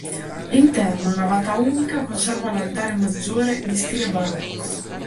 L'interno, a navata unica, conserva l'altare maggiore, in stile barocco.